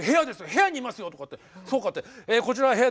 部屋にいますよ」とかってそうかって「こちら部屋です。